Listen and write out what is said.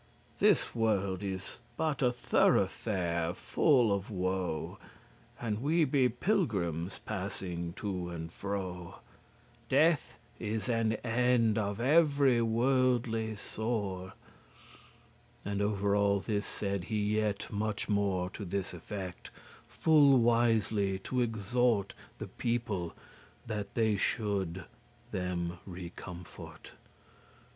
This world is but a throughfare full of woe, And we be pilgrims, passing to and fro: Death is an end of every worldly sore." And over all this said he yet much more To this effect, full wisely to exhort The people, that they should them recomfort.